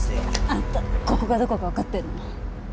あんたここがどこかわかってんの？